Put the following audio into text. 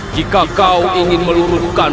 jika kau ingin meluruhkan